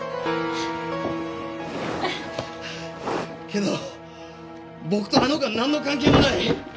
けど僕とあの子はなんの関係もない。